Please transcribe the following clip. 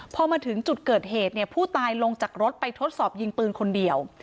พอมาถึงจุดเกิดเหตุเนี่ยผู้ตายลงจากรถไปทดสอบยิงปืนคนเดียว